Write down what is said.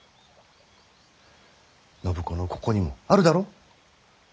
暢子のここにもあるだろ？